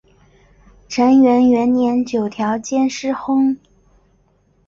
承元元年九条兼实薨。